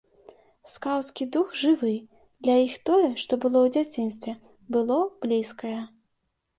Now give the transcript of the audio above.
Скаўцкі дух жывы, для іх тое, што было ў дзяцінстве, было блізкае.